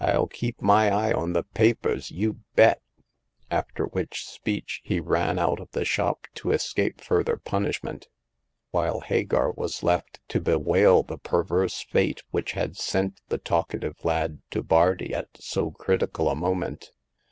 FU keep my eye on the papers, you bet !" After which speech he ran out of the shop to escape further punishment, while Hagar was left to bewail the perverse fate which had sent the talkative lad to Bardi at so critical a moment.